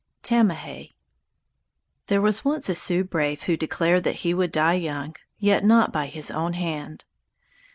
TAMAHAY There was once a Sioux brave who declared that he would die young, yet not by his own hand.